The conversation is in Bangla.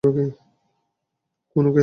কোন কাজ নেই নাকি?